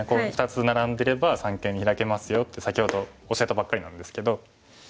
「２つナラんでれば三間にヒラけますよ」って先ほど教えたばっかりなんですけど。